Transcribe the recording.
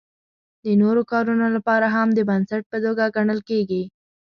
د نورو کارونو لپاره هم د بنسټ په توګه ګڼل کیږي.